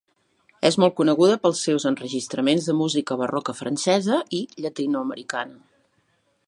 És molt coneguda pels seus enregistraments de música barroca francesa i llatinoamericana.